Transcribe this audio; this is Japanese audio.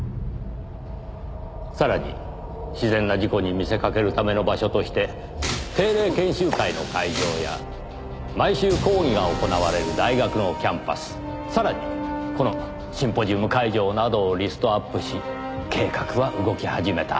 さらに自然な事故に見せかけるための場所として定例研修会の会場や毎週講義が行われる大学のキャンパスさらにこのシンポジウム会場などをリストアップし計画は動き始めた。